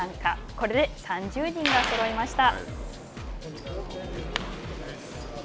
これで３０人がそろいました。